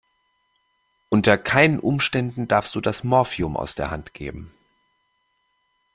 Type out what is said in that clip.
Unter keinen Umständen darfst du das Morphium aus der Hand geben.